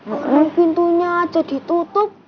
ini pintunya aja ditutup